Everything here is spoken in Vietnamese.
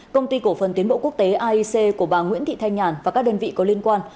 công ty cổ phần tiến bộ quốc tế aic của bà nguyễn thị thanh nhàn và các đơn vị có liên quan